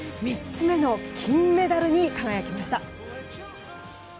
３つ目の金メダルに輝きました。